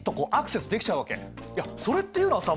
いやそれっていうのはさ